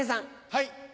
はい。